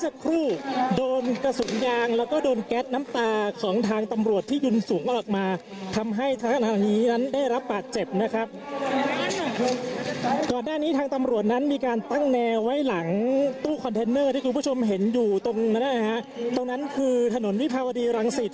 ที่คุณผู้ชมเห็นอยู่ตรงนั่นนะคะตรงนั้นคือถนนวิพาบรีรังสิต